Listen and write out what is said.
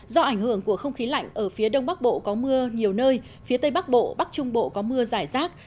do ảnh hưởng của không khí lạnh ở phía đông bắc bộ có mưa nhiều nơi phía tây bắc bộ bắc trung bộ có mưa rải rác